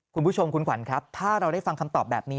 คุณผู้ชมคุณขวัญครับถ้าเราได้ฟังคำตอบแบบนี้